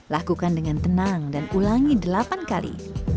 lakukan dengan tenang dan ulangi delapan kali